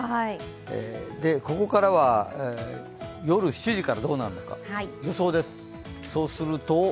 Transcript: ここからは、夜７時からどうなるのか、予想です。